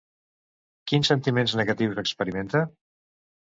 Quins sentiments negatius experimenta?